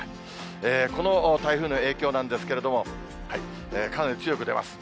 この台風の影響なんですけれども、かなり強く出ます。